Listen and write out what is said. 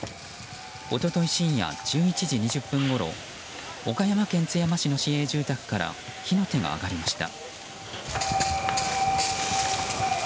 一昨日、深夜１１時２０分ごろ岡山県津山市の市営住宅から火の手が上がりました。